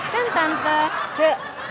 kan tante cek